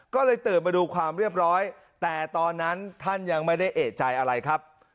ก็เลยตื่นมาดูความเรียบร้อยแต่ตอนนั้นท่านยังไม่ได้เอกใจอะไรครับ